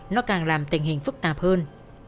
nó càng làm tình hình phức tạp hơn